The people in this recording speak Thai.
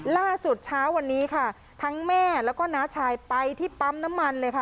ล่าสุดเช้าวันนี้ค่ะทั้งแม่แล้วก็น้าชายไปที่ปั๊มน้ำมันเลยค่ะ